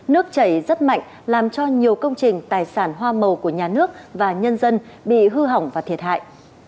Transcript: nước chảy rất mạnh làm cho nhiều công trình tài sản hoa màu của nhà nước và nhân dân bị hư hỏng và thiệt hại